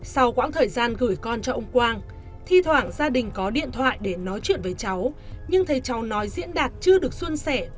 sau quãng thời gian gửi con cho ông quang thi thoảng gia đình có điện thoại để nói chuyện với cháu nhưng thấy cháu nói diễn đạt chưa được xuân xẻ và vấp lung túng